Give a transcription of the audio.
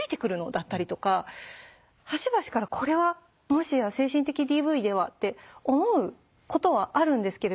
だったりとか端々からこれはもしや精神的ＤＶでは？って思うことはあるんですけれども。